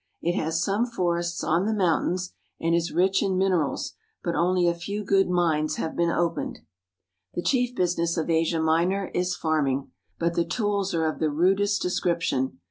It has some forests on the mountains, and is rich in min erals, but only a few good mines have been opened. The chief business of Asia Minor is farming, but the tools are of the rudest description.